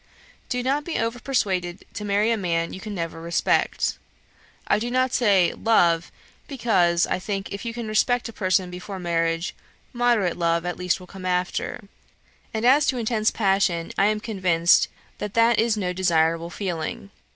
"Do not be over persuaded to marry a man you can never respect I do not say love; because, I think, if you can respect a person before marriage, moderate love at least will come after; and as to intense passion, I am convinced that that is no desirable feeling.